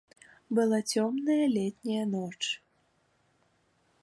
Была цёмная летняя ноч.